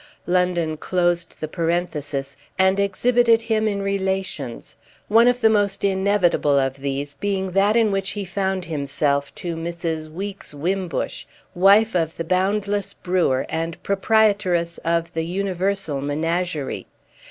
London closed the parenthesis and exhibited him in relations; one of the most inevitable of these being that in which he found himself to Mrs. Weeks Wimbush, wife of the boundless brewer and proprietress of the universal menagerie.